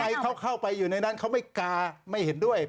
ใครเขาเข้าไปอยู่ในนั้นเขาไม่กาไม่เห็นด้วย